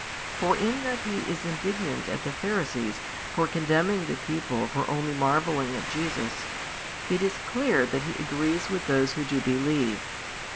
For in that he is indignant at the Pharisees for condemning the people for only marvelling at Jesus, it is clear that he agrees with those who do believe.